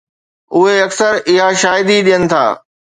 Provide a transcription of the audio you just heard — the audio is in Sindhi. اهي اڪثر اها شاهدي ڏين ٿا